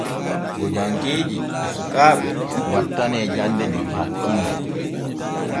Gojankeeji e sukaaɓe wattanee jande der hakkillo.